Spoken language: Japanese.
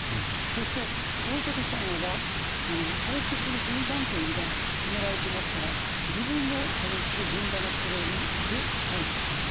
そして、到着したならば射撃する順番というのが決められていますから自分の射撃する順番のところで待機します。